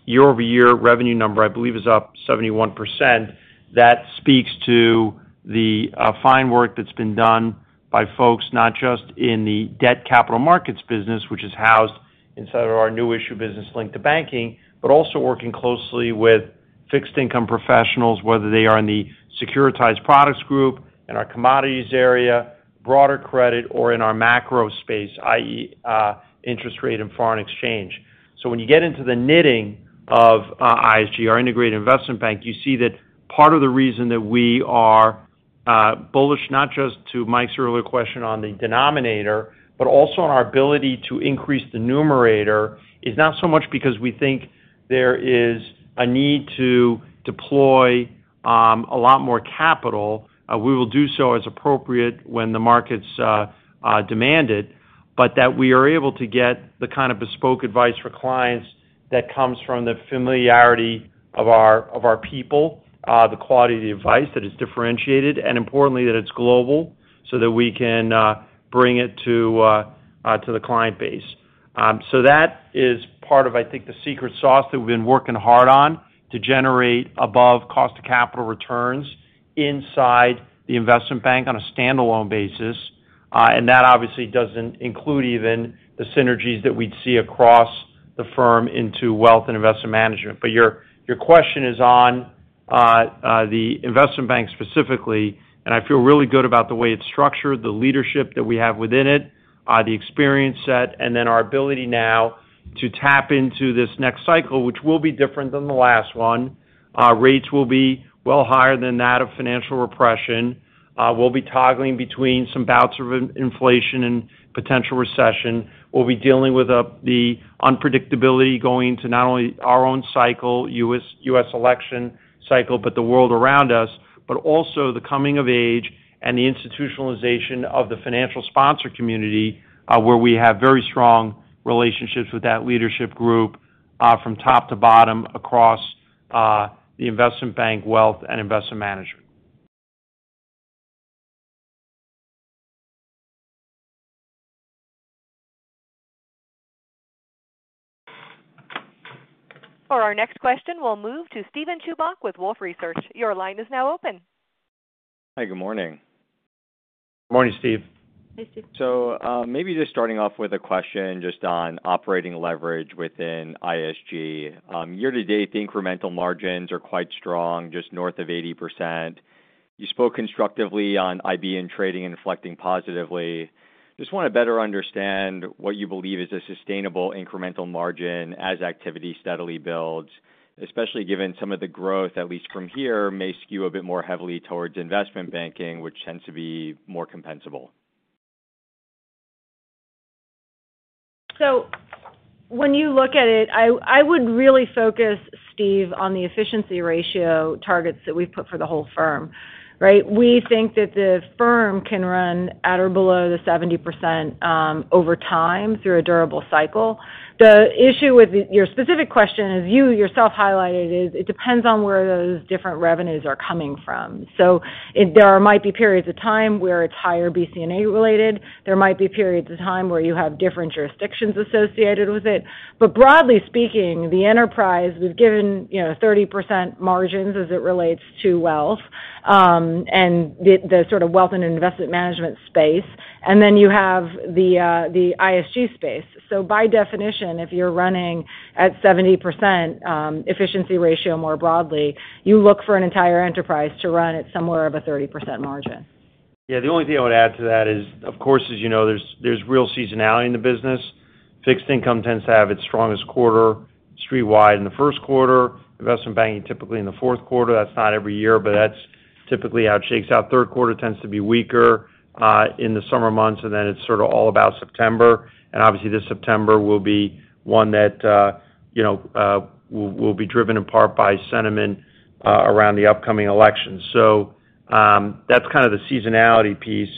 year-over-year revenue number, I believe, is up 71%. That speaks to the fine work that's been done by folks, not just in the debt capital markets business, which is housed inside of our new issue business linked to banking, but also working closely with fixed income professionals, whether they are in the securitized products group, in our commodities area, broader credit, or in our macro space, i.e., interest rate and foreign exchange. So when you get into the knitting of ISG, our integrated investment bank, you see that part of the reason that we are bullish, not just to Mike's earlier question on the denominator, but also on our ability to increase the numerator, is not so much because we think there is a need to deploy a lot more capital. We will do so as appropriate when the markets demand it, but that we are able to get the kind of bespoke advice for clients that comes from the familiarity of our people, the quality of the advice that is differentiated, and importantly, that it's global, so that we can bring it to the client base. So that is part of, I think, the secret sauce that we've been working hard on to generate above cost to capital returns inside the investment bank on a standalone basis. And that obviously doesn't include even the synergies that we'd see across the firm into Wealth and Investment Management. But your, your question is on the investment bank specifically, and I feel really good about the way it's structured, the leadership that we have within it, the experience set, and then our ability now to tap into this next cycle, which will be different than the last one. Rates will be well higher than that of financial repression. We'll be toggling between some bouts of inflation and potential recession. We'll be dealing with the unpredictability going to not only our own cycle, U.S., U.S. election cycle, but the world around us. But also the coming of age and the institutionalization of the financial sponsor community, where we have very strong relationships with that leadership group, from top to bottom across the investment bank, wealth, and investment management. For our next question, we'll move to Steven Chubak with Wolfe Research. Your line is now open. Hi, good morning. Good morning, Steve. Hey, Steve. So, maybe just starting off with a question just on operating leverage within ISG. year-to-date, the incremental margins are quite strong, just north of 80%. You spoke constructively on IB and trading and inflecting positively. Just want to better understand what you believe is a sustainable incremental margin as activity steadily builds, especially given some of the growth, at least from here, may skew a bit more heavily towards investment banking, which tends to be more compensable. So when you look at it, I would really focus, Steve, on the efficiency ratio targets that we've put for the whole firm, right? We think that the firm can run at or below the 70%, over time through a durable cycle. The issue with your specific question, as you yourself highlighted, is it depends on where those different revenues are coming from. So there might be periods of time where it's higher BC&E related. There might be periods of time where you have different jurisdictions associated with it. But broadly speaking, the enterprise, we've given, you know, 30% margins as it relates to wealth, and the sort of Wealth and Investment Management space, and then you have the ISG space. So by definition, if you're running at 70%, efficiency ratio, more broadly, you look for an entire enterprise to run at somewhere of a 30% margin. Yeah, the only thing I would add to that is, of course, as you know, there's real seasonality in the business. Fixed income tends to have its strongest quarter street-wide in the first quarter, investment banking, typically in the fourth quarter. That's not every year, but that's typically how it shakes out. Third quarter tends to be weaker in the summer months, and then it's sort of all about September. And obviously, this September will be one that you know will be driven in part by sentiment around the upcoming election. So, that's kind of the seasonality piece.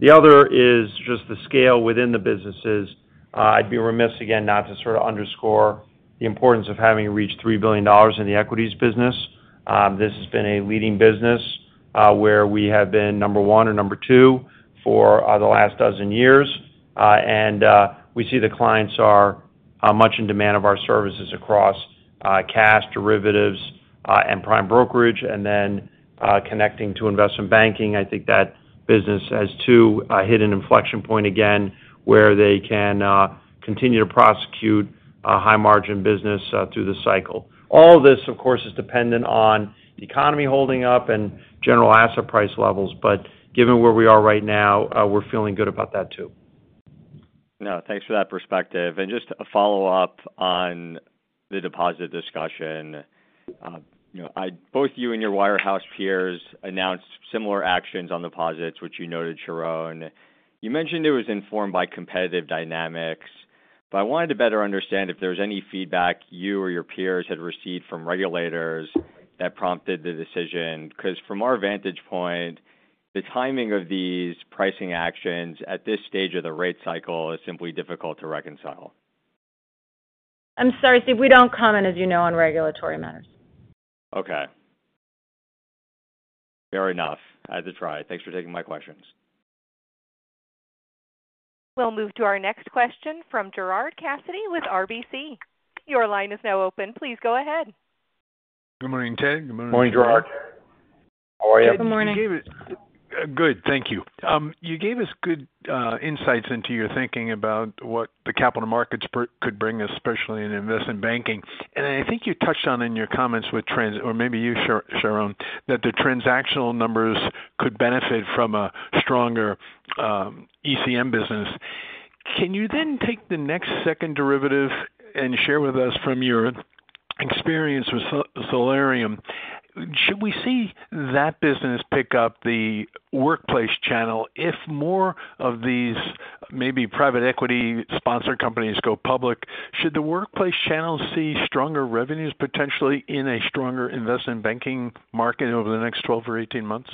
The other is just the scale within the businesses. I'd be remiss, again, not to sort of underscore the importance of having reached $3 billion in the equities business. This has been a leading business where we have been number one or number two for the last dozen years. We see the clients are much in demand of our services across cash, derivatives, and prime brokerage, and then connecting to investment banking. I think that business has, too, hit an inflection point again, where they can continue to prosecute a high-margin business through the cycle. All this, of course, is dependent on the economy holding up and general asset price levels, but given where we are right now, we're feeling good about that, too. No, thanks for that perspective. Just a follow-up on the deposit discussion. You know, both you and your wirehouse peers announced similar actions on deposits, which you noted, Sharon. You mentioned it was informed by competitive dynamics, but I wanted to better understand if there was any feedback you or your peers had received from regulators that prompted the decision, because from our vantage point, the timing of these pricing actions at this stage of the rate cycle is simply difficult to reconcile. I'm sorry, Steve, we don't comment, as you know, on regulatory matters. Okay. Fair enough. I had to try. Thanks for taking my questions. We'll move to our next question from Gerard Cassidy with RBC. Your line is now open. Please go ahead. Good morning, Ted. Good morning, Sharon. Good morning, Gerard. How are you? Good morning. Good, thank you. You gave us good insights into your thinking about what the capital markets could bring us, especially in investment banking. I think you touched on in your comments, Sharon, that the transactional numbers could benefit from a stronger ECM business. Can you then take the next second derivative and share with us from your experience with Solium? Should we see that business pick up the workplace channel if more of these maybe private equity sponsored companies go public? Should the workplace channel see stronger revenues, potentially in a stronger investment banking market over the next 12 or 18 months?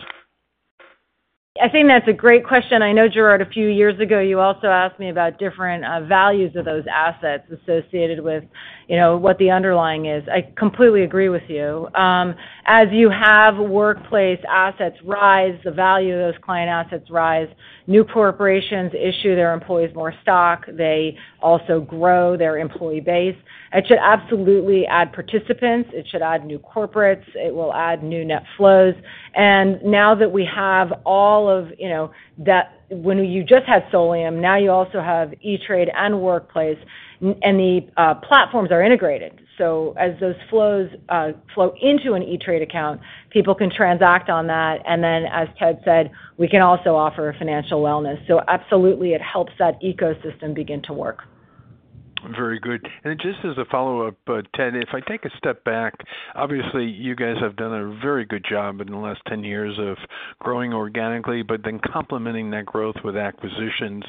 I think that's a great question. I know, Gerard, a few years ago, you also asked me about different values of those assets associated with, you know, what the underlying is. I completely agree with you. As you have workplace assets rise, the value of those client assets rise. New corporations issue their employees more stock. They also grow their employee base. It should absolutely add participants. It should add new corporates. It will add new net flows. And now that we have all of, you know, that when you just had Solium, now you also have E*TRADE and Workplace, and the platforms are integrated. So as those flows flow into an E*TRADE account, people can transact on that. And then, as Ted said, we can also offer financial wellness. So absolutely, it helps that ecosystem begin to work. Very good. And just as a follow-up, Ted, if I take a step back, obviously, you guys have done a very good job in the last 10 years of growing organically, but then complementing that growth with acquisitions.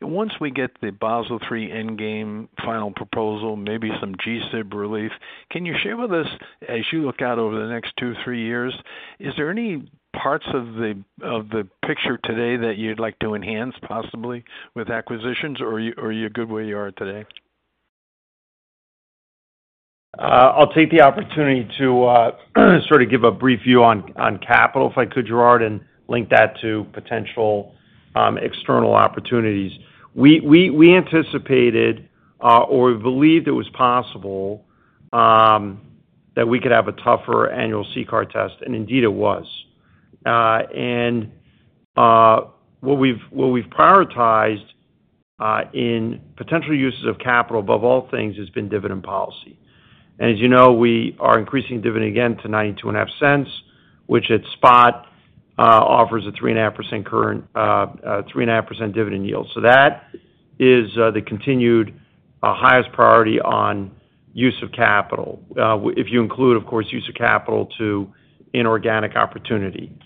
Once we get the Basel III Endgame, final proposal, maybe some GSIB relief, can you share with us as you look out over the next two, three years, is there any parts of the picture today that you'd like to enhance, possibly with acquisitions, or are you good where you are today? I'll take the opportunity to sort of give a brief view on capital, if I could, Gerard, and link that to potential external opportunities. We anticipated, or we believed it was possible, that we could have a tougher annual CCAR test, and indeed it was. What we've prioritized in potential uses of capital, above all things, has been dividend policy. As you know, we are increasing dividend again to $0.925, which at spot offers a 3.5% current, a 3.5% dividend yield. So that is the continued highest priority on use of capital. If you include, of course, use of capital to inorganic opportunity.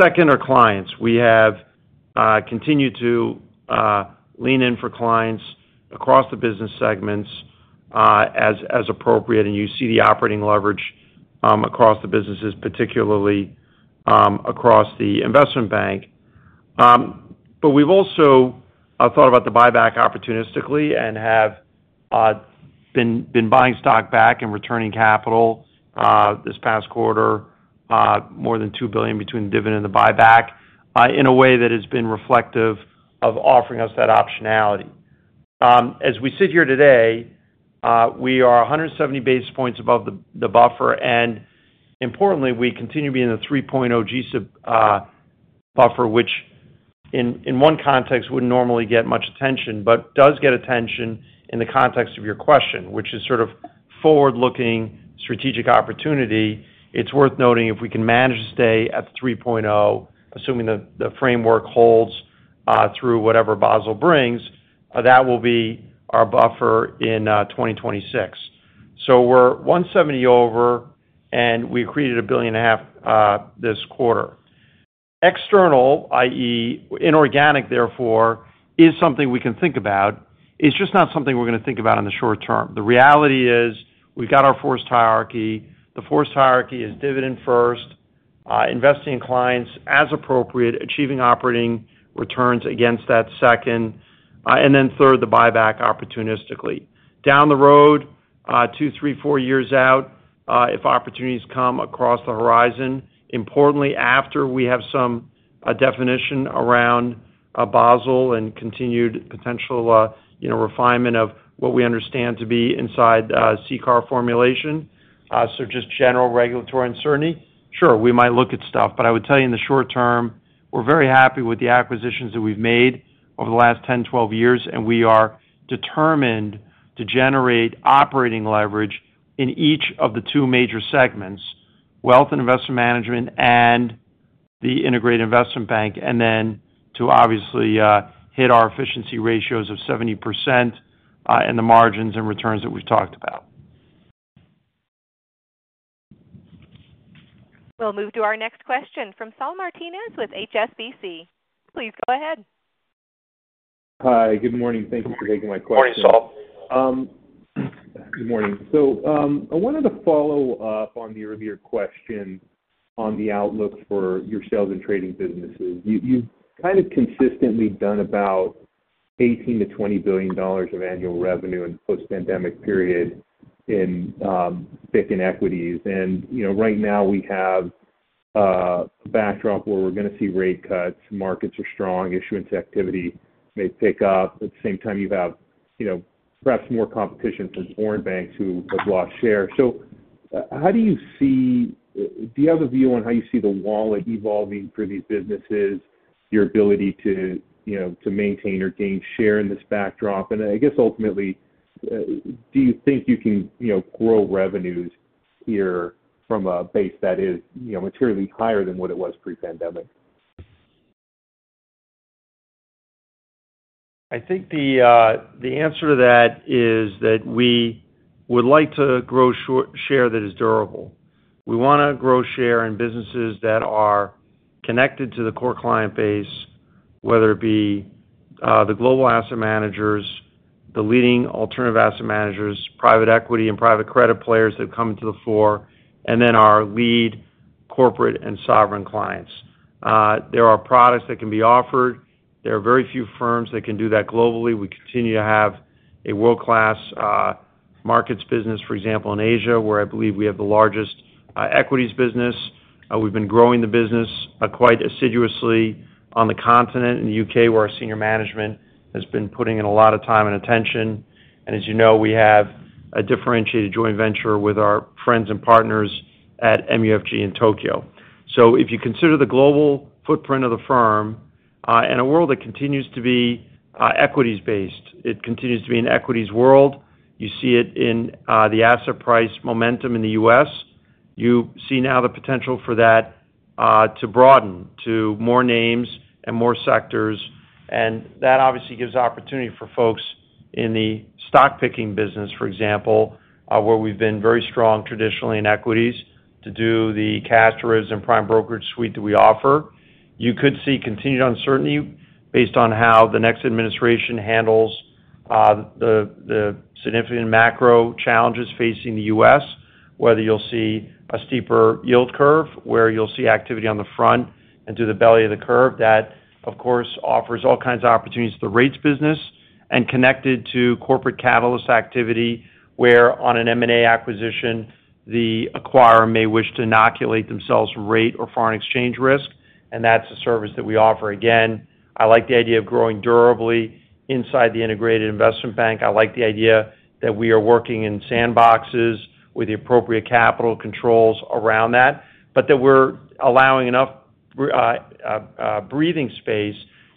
Second are clients. We have continued to lean in for clients across the business segments, as appropriate, and you see the operating leverage across the businesses, particularly across the investment bank. But we've also thought about the buyback opportunistically and have been buying stock back and returning capital this past quarter, more than $2 billion between the dividend and the buyback, in a way that has been reflective of offering us that optionality. As we sit here today, we are 170 basis points above the buffer, and importantly, we continue to be in a 3.0 GSIB buffer, which in one context wouldn't normally get much attention, but does get attention in the context of your question, which is sort of forward-looking, strategic opportunity. It's worth noting, if we can manage to stay at 3.0, assuming the framework holds through whatever Basel brings, that will be our buffer in 2026. So we're 170 over, and we created $1.5 billion this quarter. External, i.e., inorganic, therefore, is something we can think about. It's just not something we're gonna think about in the short term. The reality is, we've got our forced hierarchy. The forced hierarchy is dividend first, investing in clients as appropriate, achieving operating returns against that second, and then third, the buyback opportunistically. Down the road, two, three, four years out, if opportunities come across the horizon, importantly, after we have some definition around Basel and continued potential, you know, refinement of what we understand to be inside CCAR formulation, so just general regulatory uncertainty, sure, we might look at stuff. But I would tell you in the short term, we're very happy with the acquisitions that we've made over the last 10, 12 years, and we are determined to generate operating leverage in each of the two major segments, Wealth and Investment Management, and the integrated investment bank, and then to obviously hit our efficiency ratios of 70%, and the margins and returns that we've talked about. We'll move to our next question from Saul Martinez with HSBC. Please go ahead. Hi, good morning. Thank you for taking my question. Morning, Saul. Good morning. So, I wanted to follow up on the earlier question on the outlook for your sales and trading businesses. You, you've kind of consistently done about $18 billion-$20 billion of annual revenue in post-pandemic period in Fixed Income, Equities. And, you know, right now, we have a backdrop where we're gonna see rate cuts, markets are strong, issuance activity may pick up. At the same time, you have, you know, perhaps more competition from foreign banks who have lost share. So how do you see—do you have a view on how you see the wallet evolving for these businesses, your ability to, you know, to maintain or gain share in this backdrop? And I guess, ultimately, do you think you can, you know, grow revenues here from a base that is, you know, materially higher than what it was pre-pandemic? I think the answer to that is that we would like to grow share that is durable. We wanna grow share in businesses that are connected to the core client base, whether it be the global asset managers, the leading alternative asset managers, private equity and private credit players that come to the floor, and then our lead corporate and sovereign clients. There are products that can be offered. There are very few firms that can do that globally. We continue to have a world-class markets business, for example, in Asia, where I believe we have the largest equities business. We've been growing the business quite assiduously on the continent, in the U.K., where our senior management has been putting in a lot of time and attention. As you know, we have a differentiated joint venture with our friends and partners at MUFG in Tokyo. If you consider the global footprint of the firm, in a world that continues to be equities-based, it continues to be an equities world. You see it in the asset price momentum in the U.S. You see now the potential for that to broaden to more names and more sectors, and that obviously gives opportunity for folks in the stock-picking business, for example, where we've been very strong traditionally in equities, to do the cash reserves and prime brokerage suite that we offer. You could see continued uncertainty based on how the next administration handles the significant macro challenges facing the U.S. Whether you'll see a steeper yield curve, where you'll see activity on the front and to the belly of the curve. That, of course, offers all kinds of opportunities to the rates business, and connected to corporate catalyst activity, where on an M&A acquisition, the acquirer may wish to inoculate themselves from rate or foreign exchange risk, and that's a service that we offer. Again, I like the idea of growing durably inside the integrated investment bank. I like the idea that we are working in sandboxes with the appropriate capital controls around that. But that we're allowing enough breathing space,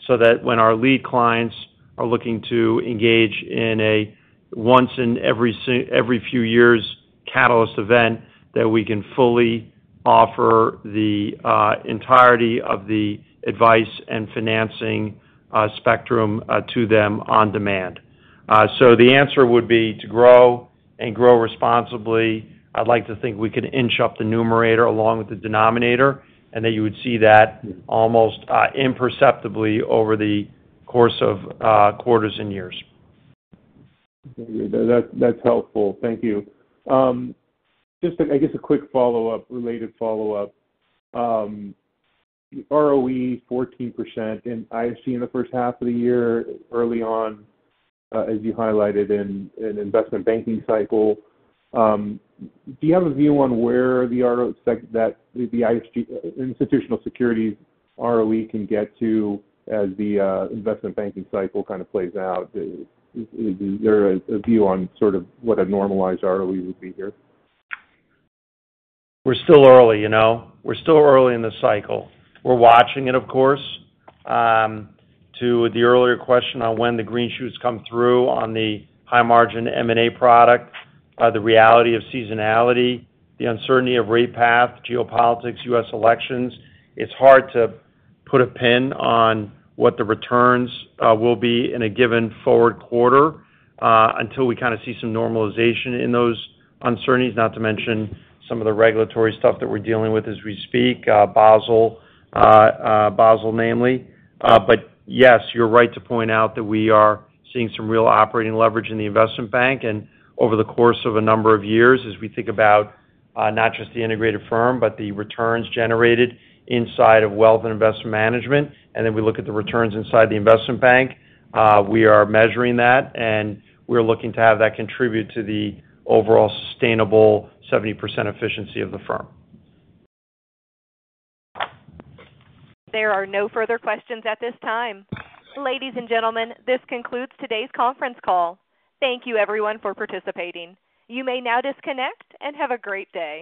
so that when our lead clients are looking to engage in a once in every few years catalyst event, that we can fully offer the entirety of the advice and financing spectrum to them on demand. So the answer would be to grow and grow responsibly. I'd like to think we can inch up the numerator along with the denominator, and that you would see that almost, imperceptibly over the course of, quarters and years. That, that's helpful. Thank you. Just, I guess, a quick follow-up, related follow-up. ROE 14% in ISG in the first half of the year, early on, as you highlighted in, in investment banking cycle. Do you have a view on where that the ISG, Institutional Securities ROE can get to, as the, investment banking cycle kind of plays out? Is there a view on sort of what a normalized ROE would be here? We're still early, you know? We're still early in the cycle. We're watching it, of course. To the earlier question on when the green shoots come through on the high-margin M&A product, the reality of seasonality, the uncertainty of rate path, geopolitics, U.S. elections, it's hard to put a pin on what the returns will be in a given forward quarter until we kind of see some normalization in those uncertainties, not to mention some of the regulatory stuff that we're dealing with as we speak, Basel, namely. But yes, you're right to point out that we are seeing some real operating leverage in the investment bank. Over the course of a number of years, as we think about not just the integrated firm, but the returns generated inside of Wealth and Investment Management, and then we look at the returns inside the investment bank, we are measuring that, and we're looking to have that contribute to the overall sustainable 70% efficiency of the firm. There are no further questions at this time. Ladies and gentlemen, this concludes today's conference call. Thank you, everyone, for participating. You may now disconnect and have a great day.